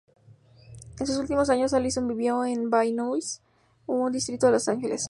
En sus últimos años Allison vivió en Van Nuys, un distrito de Los Ángeles.